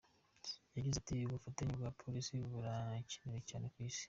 Yagize ati “Ubufatanye bwa Polisi burakenewe cyane ku isi.